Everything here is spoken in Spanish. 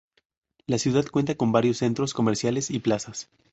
La ciudad cuenta con varios centros comerciales y plazas.